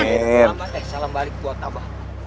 selamat ya salam balik buat aba